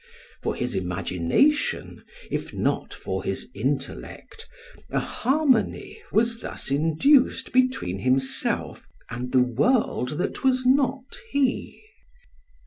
For his imagination, if not for his intellect, a harmony was thus induced between himself and the world that was not he.